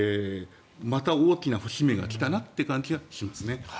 また大きな節目が来た感じがします。